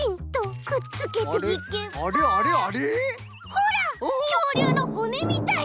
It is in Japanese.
ほらきょうりゅうのほねみたい。